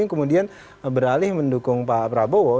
yang kemudian beralih mendukung pak prabowo